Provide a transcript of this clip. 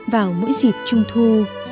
vào mỗi dịp trung thu